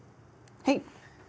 はい。